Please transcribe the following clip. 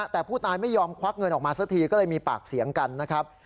แต่ผู้ตายไม่ยอมควักเงินออกมาสักทีก็เลยมีปากเสียงกันนะครับ